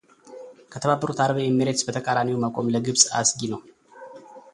ከተባበሩት አረብ ኤምሬትስ በተቃራኒው መቆም ለግብጽ አስጊ ነው።